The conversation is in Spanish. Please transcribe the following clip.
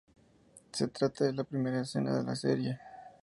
Se trata de la primera escena de la serie.